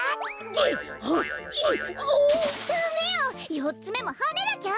よっつめもはねなきゃ！